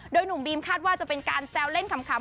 โดยหนุ่มบีมคาดว่าจะเป็นการแซวเล่นขำ